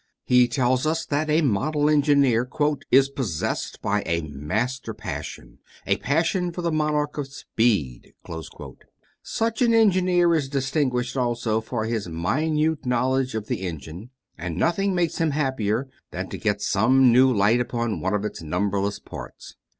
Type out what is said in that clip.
He tells us that a model engineer "is possessed by a master passion a passion for the monarch of speed." Such an engineer is distinguished, also, for his minute knowledge of the engine, and nothing makes him happier than to get some new light upon one of its numberless parts.